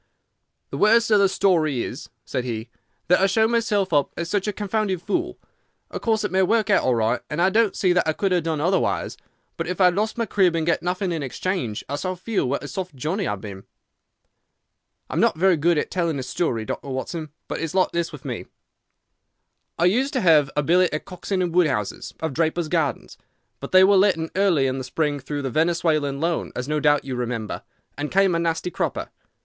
"The worst of the story is," said he, "that I show myself up as such a confounded fool. Of course it may work out all right, and I don't see that I could have done otherwise; but if I have lost my crib and get nothing in exchange I shall feel what a soft Johnnie I have been. I'm not very good at telling a story, Dr. Watson, but it is like this with me: "I used to have a billet at Coxon & Woodhouse, of Drapers' Gardens, but they were let in early in the spring through the Venezuelan loan, as no doubt you remember, and came a nasty cropper.